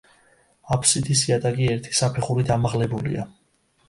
აფსიდის იატაკი ერთი საფეხურით ამაღლებულია.